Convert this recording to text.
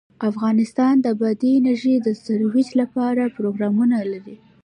افغانستان د بادي انرژي د ترویج لپاره پروګرامونه لري.